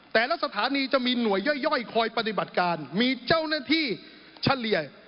แต่ละสถานีจะมีหน่วยย่อยคอยปฏิบัติการมีเจ้าหน้าที่เฉลี่ย